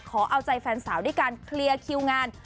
ขอเอาใจแฟนสาวด้วยการเคลียร์คิวงาน